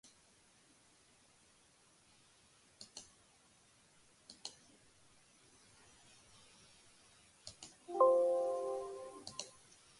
ჩვილი სამი წლისა იყო, როცა უფალმა მისი ლოცვით მიცვალებული ყრმა მკვდრეთით აღადგინა.